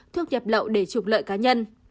thuốc nhập lậu để trục lợi cá nhân